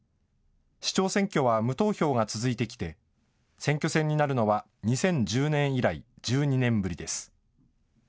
市長選挙は無投票が続いてきて選挙戦になるのは２０１０年以来、１２年ぶりです。